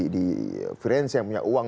di franz yang punya uang